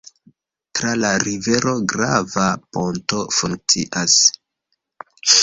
Tra la rivero grava ponto funkcias.